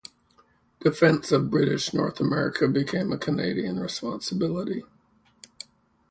Defence of British North America became a Canadian responsibility.